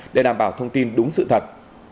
để đảm bảo thông tin đúng sự thật